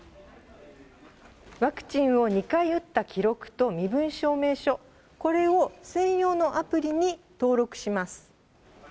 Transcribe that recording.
ワクチンを２回打った記録と、身分証明書、これを専用のアプリに登録します。